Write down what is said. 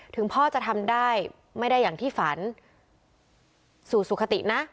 ถึงพ่อจะทำได้ไม่ได้อย่างที่ฝันสู่สุขตินะ